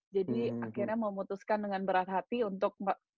jadi akhirnya mau memutuskan dengan berat hati untuk mbak